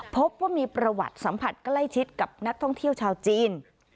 พบว่ามีประวัติสัมผัสใกล้ชิดกับนักท่องเที่ยวชาวจีน